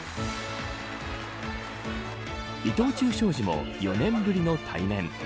伊藤忠商事も４年ぶりの対面。